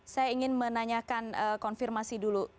saya ingin menanyakan konfirmasi dulu